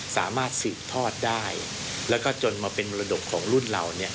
สามารถสืบทอดได้แล้วก็จนมาเป็นมรดกของรุ่นเรา